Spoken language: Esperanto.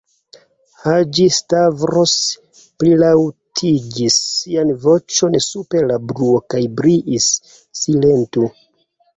Haĝi-Stavros plilaŭtigis sian voĉon super la bruo kaj kriis: "Silentu!"